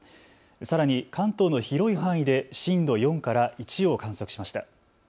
さらに関東の広い範囲で震度４から１を観測しました。